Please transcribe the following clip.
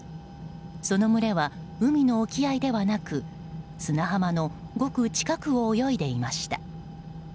その群れは、海の沖合ではなく砂浜のごく近くを泳いでいました。